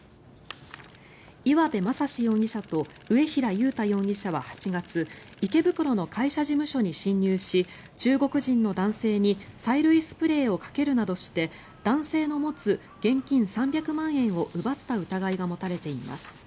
岩部真心容疑者と上平悠太容疑者は８月池袋の会社事務所に侵入し中国人の男性に催涙スプレーをかけるなどして男性の持つ現金３００万円を奪った疑いが持たれています。